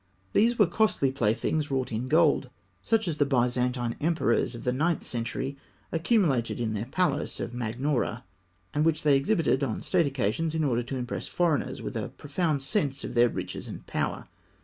These were costly playthings wrought in gold, such as the Byzantine emperors of the ninth century accumulated in their palace of Magnaura, and which they exhibited on state occasions in order to impress foreigners with a profound sense of their riches and power.